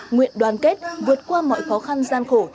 nguyện đoàn kết vượt qua mọi khó khăn gian khổ